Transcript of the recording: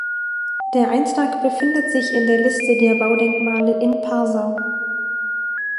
Der Eintrag befindet sich in der Liste der Baudenkmale in Parsau.